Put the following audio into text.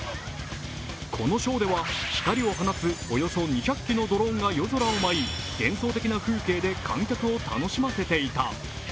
このショーでは光を放つおよそ２００機のドローンが夜空を舞い、幻想的な風景で観客を楽しませていた。